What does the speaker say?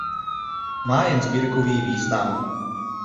Má jen sbírkový význam.